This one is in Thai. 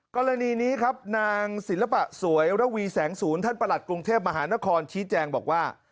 กรณีนี้ครับนางศิลปะสวยระวีแสงศูนย์ท่านประหลัดกรุงเทพมหานครชี้แจงบอกว่า